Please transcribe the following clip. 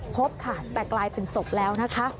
พบแต่กลายเป็นศพแล้ว